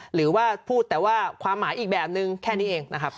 หรือว่าพูดแต่ว่าความหมายอีกแบบนึงแค่นี้เองนะครับ